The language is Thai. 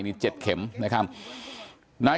พันให้หมดตั้ง๓คนเลยพันให้หมดตั้ง๓คนเลย